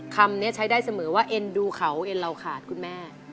คำนี้ใช้ได้เสมอว่าเอ็นดูเขาเอ็นเราขาดคุณแม่